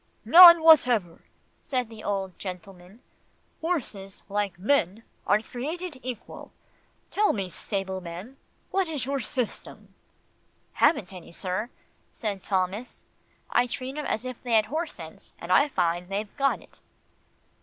"None whatever," said the old gentleman. "Horses, like men, are created equal. Tell me, stableman, what is your system?" "Haven't any, sir," said Thomas. "I treat 'em as if they had horse sense, and I find they've got it."